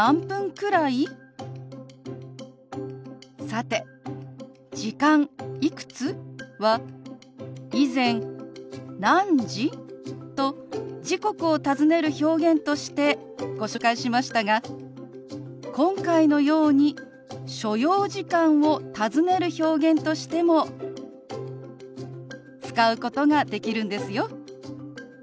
さて「時間」「いくつ？」は以前「何時？」と時刻を尋ねる表現としてご紹介しましたが今回のように所要時間を尋ねる表現としても使うことができるんですよ。